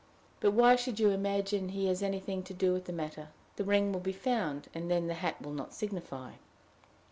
"But why should you imagine he has had anything to do with the matter? The ring will be found, and then the hat will not signify."